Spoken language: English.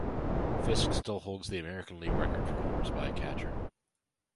Fisk still holds the American League record for homers by a catcher.